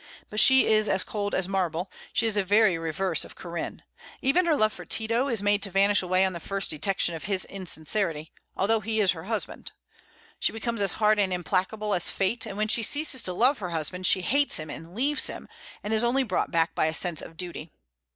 But she is as cold as marble; she is the very reverse of Corinne. Even her love for Tito is made to vanish away on the first detection of his insincerity, although he is her husband. She becomes as hard and implacable as fate; and when she ceases to love her husband, she hates him and leaves him, and is only brought back by a sense of duty.